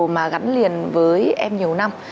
mà gắn liền với em nhiều năm